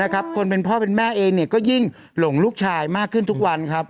คนเป็นพ่อเป็นแม่เองก็ยิ่งหลงลูกชายมากขึ้นทุกวันครับ